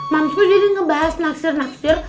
mams tuh jadi ngebahas naksir naksir